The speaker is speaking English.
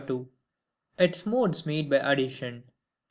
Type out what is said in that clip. Its Modes made by Addition.